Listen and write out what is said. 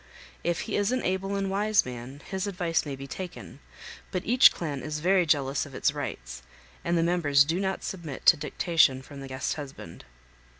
If he is an able and wise man his advice may be taken, but each clan is very jealous of its rights, and the members do not submit to dictation from the guest husband.